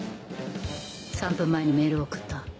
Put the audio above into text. ３分前にメールを送った。